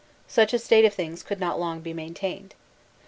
Such a state of things could not be long maintained.